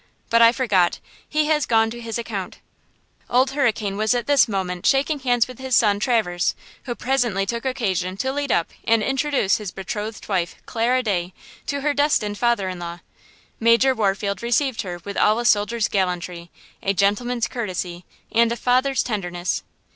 But I forgot! He has gone to his account." Old Hurricane was at this moment shaking hands with his son, Traverse, who presently took occasion to lead up and introduce his betrothed wife, Clara Day, to her destined father in law. Major Warfield received her with all a soldier's gallantry, a gentleman's courtesy and a father's tenderness.